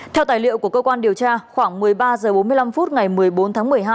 theo tài liệu của cơ quan điều tra khoảng một mươi ba h bốn mươi năm phút ngày một mươi bốn tháng một mươi hai